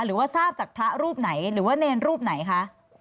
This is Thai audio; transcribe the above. หรือว่าทราบจากพระรูปไหนหรือว่าเนรรูปไหนคะ